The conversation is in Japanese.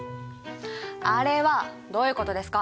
あれはどういうことですか？